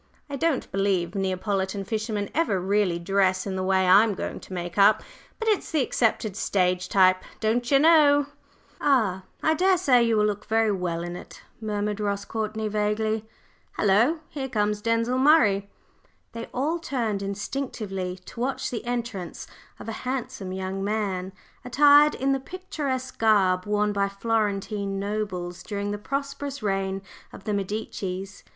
I don't believe Neapolitan fishermen ever really dress in the way I'm going to make up, but it's the accepted stage type, don'cher know." "Ah! I daresay you will look very well in it," murmured Ross Courtney, vaguely. "Hullo! here comes Denzil Murray!" They all turned instinctively to watch the entrance of a handsome young man, attired in the picturesque garb worn by Florentine nobles during the prosperous reign of the Medicis.